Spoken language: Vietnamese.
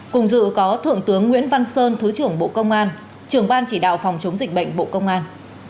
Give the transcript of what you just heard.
cùng dự có thượng tướng nguyễn văn sơn thứ trưởng bộ công an trưởng ban chỉ đạo phòng chống dịch bệnh bộ công an